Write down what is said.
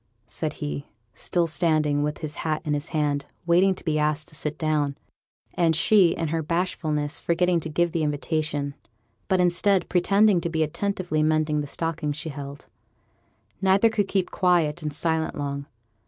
said he, still standing, with his hat in his hand, waiting to be asked to sit down; and she, in her bashfulness, forgetting to give the invitation, but, instead, pretending to be attentively mending the stocking she held. Neither could keep quiet and silent long.